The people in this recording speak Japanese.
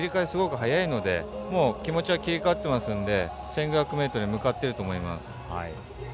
すごく早いので、もう気持ちは切り替わってますので１５００ｍに向かっていると思います。